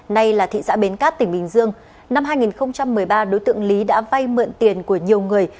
nay là thị xã bến cát tỉnh bình dương năm hai nghìn một mươi ba đối tượng lý đã vay mượn tiền của nhiều người